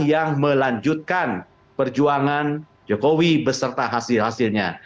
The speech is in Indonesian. yang melanjutkan perjuangan jokowi beserta hasil hasilnya